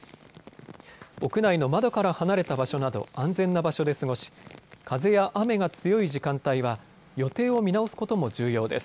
屋内の窓から離れた場所など安全な場所で過ごし風や雨が強い時間帯は予定を見直すことも重要です。